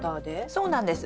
そうなんです。